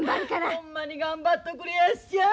ほんまに頑張っとくれやっしゃ。